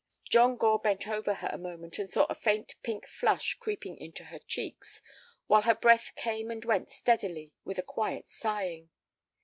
John Gore bent over her a moment and saw a faint pink flush creeping into her cheeks, while her breath came and went steadily with a quiet sighing.